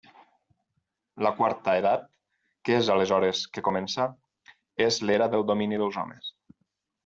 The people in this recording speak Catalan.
La Quarta Edat, que és aleshores que comença, és l'era del domini dels homes.